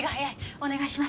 お願いします。